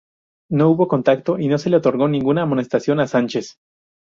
No hubo contacto, y no se le otorgó ninguna amonestación a Sánchez.